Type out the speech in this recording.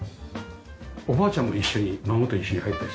おばあちゃんも一緒に孫と一緒に入ったりするの？